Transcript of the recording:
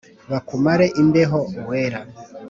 bakumare imbeho uwera